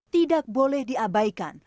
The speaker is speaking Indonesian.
tidak boleh diabaikan